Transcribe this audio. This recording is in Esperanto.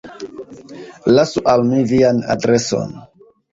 Lasu al mi vian adreson.